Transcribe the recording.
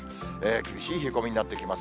厳しい冷え込みになってきます。